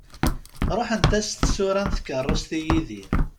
Ruḥent-as tsura n tkerrust i Yidir.